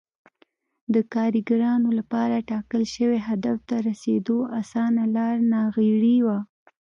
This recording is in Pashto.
د کارګرانو لپاره ټاکل شوي هدف ته رسېدو اسانه لار ناغېړي وه